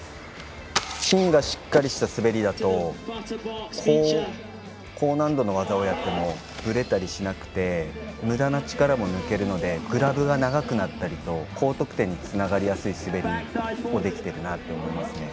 芯がしっかりした滑りだと高難度の技をやってもぶれたりしなくてむだな力も抜けるのでグラブが長くなったりと高得点につながりやすい滑りができているなと思います。